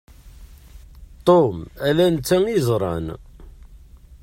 Tom, ala netta i yeẓran.